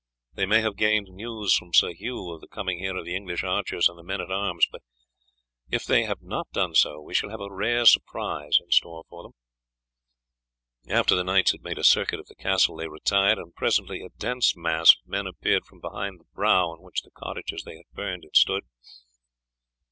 They may have gained news from Sir Hugh of the coming here of the English archers and the men at arms, but if they have not done so we shall have a rare surprise in store for them." After the knights had made a circuit of the castle they retired, and presently a dense mass of men appeared from behind the brow on which the cottages they had burned had stood.